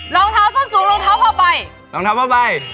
รองเท้าส้นสูงรองเท้าพอไปรองเท้าพอไป